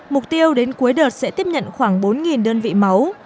mục tiêu đến cuối đợt sẽ tiếp nhận khoảng bốn đơn vị máu